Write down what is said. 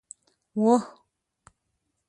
وه